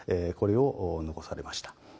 これを残されました。